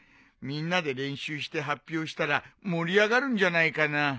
みんなで練習して発表したら盛り上がるんじゃないかな？